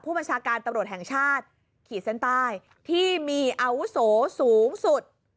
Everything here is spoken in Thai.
บัญชาการตำรวจแห่งชาติขีดเส้นใต้ที่มีอาวุโสสูงสุด